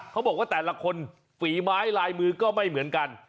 เขาบอกว่าแต่ละคนฝีไม้ลายมือก็ไม่เหมือนกัน